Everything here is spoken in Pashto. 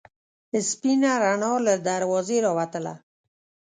سپینه رڼا له دروازې راوتله.